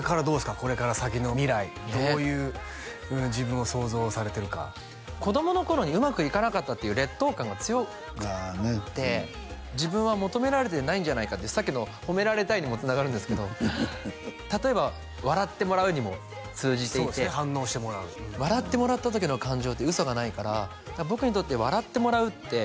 これから先の未来どういう自分を想像されてるか子供の頃にうまくいかなかったっていう劣等感が強くって自分は求められてないんじゃないかっていうさっきの褒められたいにもつながるんですけど例えば笑ってもらうにも通じていて笑ってもらった時の感情って嘘がないから僕にとって笑ってもらうって